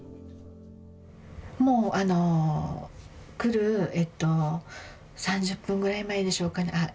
もうあの来る３０分ぐらい前でしょうかねあっ